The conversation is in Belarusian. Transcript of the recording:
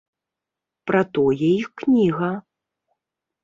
Пра тое і кніга.